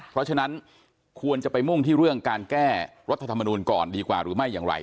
เพราะฉะนั้นควรจะไปมุ่งที่เรื่องการแก้รัฐธรรมนูลก่อนดีกว่าหรือไม่อย่างไร